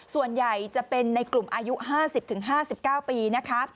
ส่วนใหญ่จะเป็นในกลุ่มอายุ๕๐๕๙ปีนะคะ